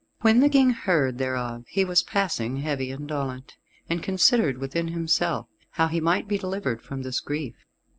When the King heard thereof he was passing heavy and dolent, and considered within himself how he might be delivered from this grief.